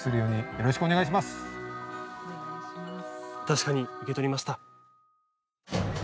確かに受け取りました。